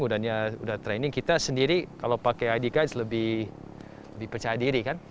mudahnya udah training kita sendiri kalau pakai id guide lebih percaya diri kan